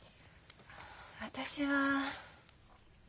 私は。